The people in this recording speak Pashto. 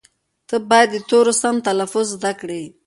ته باید د تورو سم تلفظ زده کړې.